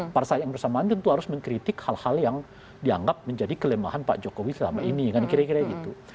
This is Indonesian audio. pada saat yang bersamaan tentu harus mengkritik hal hal yang dianggap menjadi kelemahan pak jokowi selama ini kan kira kira gitu